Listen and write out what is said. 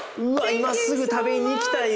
今すぐ食べに行きたいよ。